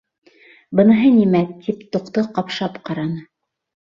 Быныһы нимә, тип тоҡто ҡапшап ҡараны.